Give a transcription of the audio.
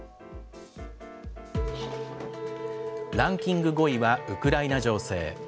ランキング５位はウクライナ情勢。